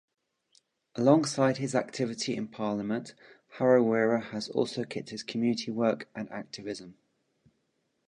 Alongside his activity in Parliament, Harawira has also kept his community work and activism.